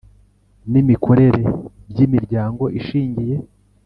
n imikorere by Imiryango Ishingiye